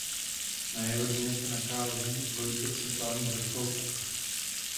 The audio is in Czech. Na jeho dně se nachází dvojice centrálních vrcholků.